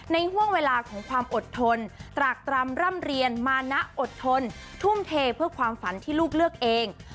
ห่วงเวลาของความอดทนตรากตรำร่ำเรียนมานะอดทนทุ่มเทเพื่อความฝันที่ลูกเลือกเอง